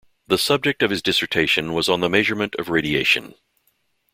The subject of his dissertation was on the measurement of radiation.